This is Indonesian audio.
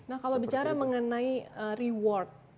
nah kalau bicara mengenai reward